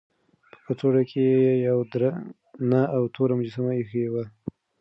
په کڅوړه کې یې یوه درنه او توره مجسمه ایښې وه.